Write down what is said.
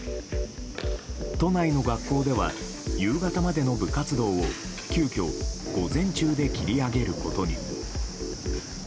都内の学校では夕方までの部活動を急きょ午前中で切り上げることに。